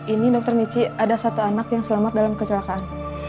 ini dr michi ada satu anak yang selamat dalam kecelakaan